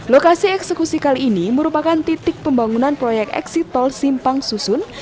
lokasi eksekusi kali ini merupakan titik pembangunan proyek eksitol simpang susun